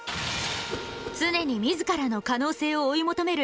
常に自らの可能性を追い求める